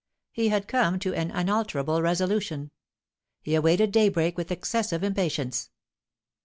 He had come to an unalterable resolution. He awaited daybreak with excessive impatience.